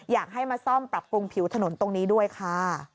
อยากให้มาซ่อมปรับปรุงผิวถนนตรงนี้ด้วยค่ะ